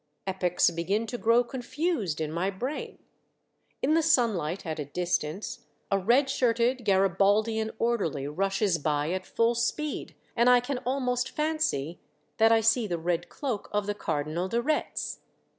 Epochs begin to grow confused in my brain. In the sunhght, at a distance, a red shirted Garibaldian orderly rushes by at full speed, and I can almost fancy that I see the red cloak of the 1 06 Monday Tales, Cardinal de Retz.